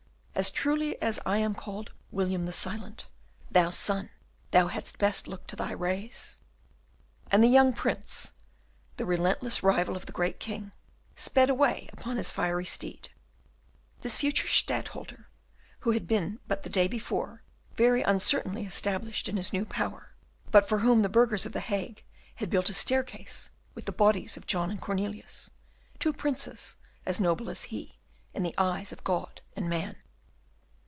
as truly as I am called William the Silent, thou Sun, thou hadst best look to thy rays!" And the young Prince, the relentless rival of the Great King, sped away upon his fiery steed, this future Stadtholder who had been but the day before very uncertainly established in his new power, but for whom the burghers of the Hague had built a staircase with the bodies of John and Cornelius, two princes as noble as he in the eyes of God and man.